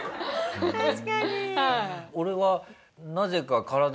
確かに。